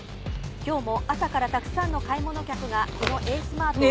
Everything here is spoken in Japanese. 今日も朝からたくさんの買い物客がこのエースマート。